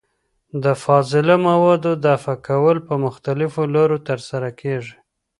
د فاضله موادو دفع کول په مختلفو لارو ترسره کېږي.